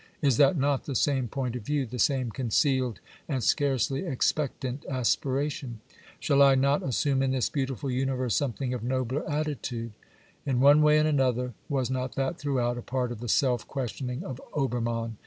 Is that not the same point of view, the same concealed and scarcely expectant aspiration ?" Shall I not assume in this beautiful universe something of nobler attitude ?" In one way and another, was not that, throughout, a part of the self questioning of Obermann